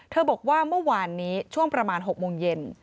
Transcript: บอกว่าเมื่อวานนี้ช่วงประมาณ๖โมงเย็น